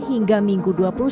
hingga minggu minggu depan